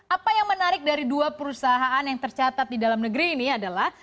apa yang menarik dari dua perusahaan yang tercatat di dalam negeri ini adalah